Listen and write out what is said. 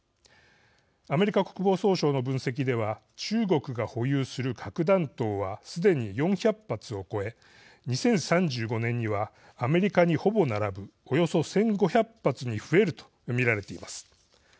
アメリカ国防総省の分析では中国が保有する核弾頭はすでに４００発を超え２０３５年にはアメリカにほぼ並ぶおよそ１５００発に増えると見られています。